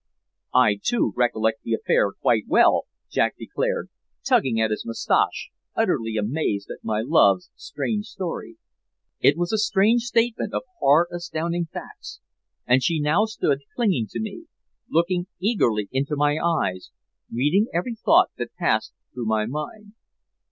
"I, too, recollect the affair quite well," Jack declared, tugging at his mustache, utterly amazed at my love's strange story. It was a plain statement of hard, astounding facts, and she now stood clinging to me, looking eagerly into my eyes, reading every thought that passed through my mind.